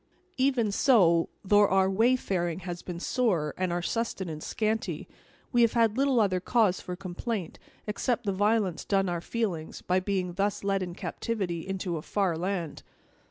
"Even so. Though our wayfaring has been sore and our sustenance scanty, we have had little other cause for complaint, except the violence done our feelings, by being thus led in captivity into a far land."